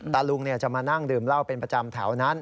ลุงจะมานั่งดื่มเหล้าเป็นประจำแถวนั้น